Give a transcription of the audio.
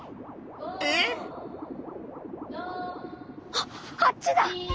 あっあっちだ！